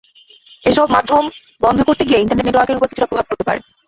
এসব মাধ্যম বন্ধ করতে গিয়ে ইন্টারনেট নেটওয়ার্কের ওপর কিছুটা প্রভাব পড়তে পারে।